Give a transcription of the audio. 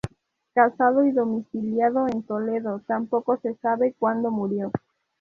Casado y domiciliado en Toledo, tampoco se sabe cuándo murió.